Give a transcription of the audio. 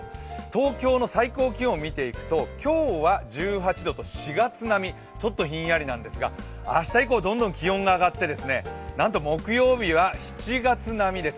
東京の最高気温を見ていくと今日は１８度と４月並み、ちょっとひんやりなんですが、明日以降、どんどん気温が上がってなんと木曜日は７月並みです。